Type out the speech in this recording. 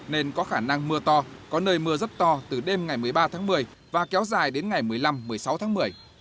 nên có khả năng mưa to có nơi mưa rất to từ đêm ngày một mươi ba tháng một mươi và kéo dài đến ngày một mươi năm một mươi sáu tháng một mươi